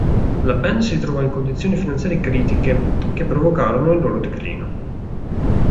La band si ritrovò in condizioni finanziarie critiche, che provocarono il loro declino.